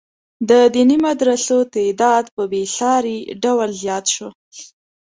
د دیني مدرسو تعداد په بې ساري ډول زیات شو.